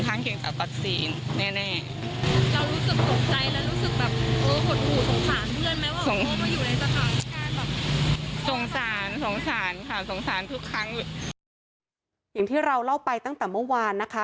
อย่างที่เราเล่าไปตั้งแต่เมื่อวานนะคะ